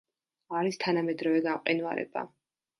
არის თანამედროვე გამყინვარება.